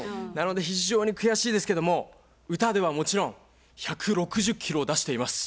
なので非常に悔しいですけども歌ではもちろん１６０キロを出しています。